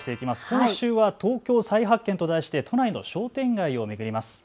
今週は東京再発見と題して都内の商店街を巡ります。